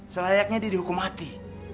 selayaknya dia dihukum mati